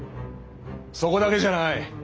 そこだけじゃない！